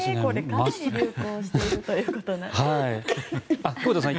かなり流行しているということです。